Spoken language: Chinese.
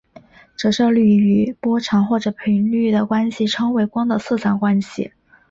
折射率与波长或者频率的关系称为光的色散关系。